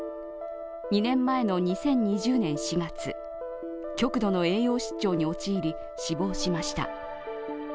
２年前の２０２０年４月、極度の栄養失調に陥り、死亡しました。